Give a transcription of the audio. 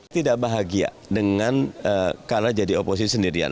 tidak bahagia dengan kalah jadi oposisi sendirian